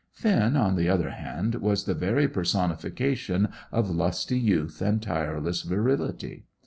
Finn, on the other hand, was the very personification of lusty youth and tireless virility.